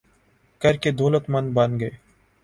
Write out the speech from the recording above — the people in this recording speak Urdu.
کر کے دولتمند بن گئے